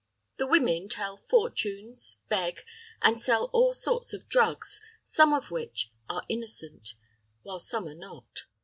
The women tell fortunes, beg, and sell all sorts of drugs, some of which are innocent, while some are not.